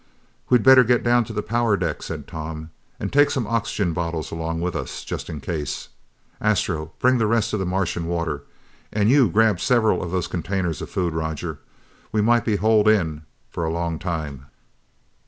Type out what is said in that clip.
"We'd better get down to the power deck," said Tom, "and take some oxygen bottles along with us, just in case. Astro, bring the rest of the Martian water and you grab several of those containers of food, Roger. We might be holed in for a long time."